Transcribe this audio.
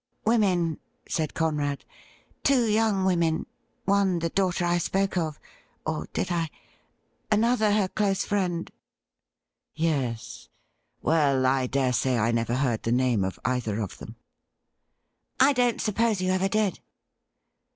' Women,' said Conrad —' two young women ; one the daughter I spoke of— or did I ?— another her close friend.' ' Yes. Well, I dare say I never heard the name of either of them.' ' I don't suppose you ever did.'